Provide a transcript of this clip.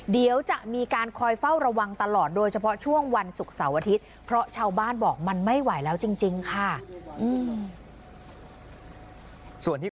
เดี๋ยวจะมีการคอยเฝ้าระวังตลอดโดยเฉพาะช่วงวันศุกร์เสาร์อาทิตย์เพราะชาวบ้านบอกมันไม่ไหวแล้วจริงค่ะ